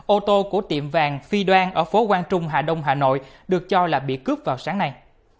ô tô của tiệm vàng phi đoan ở phố quang trung hà đông hà nội được cho là bị cướp vào sáng nay